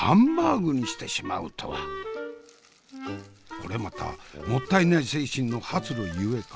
これまたもったいない精神の発露故か？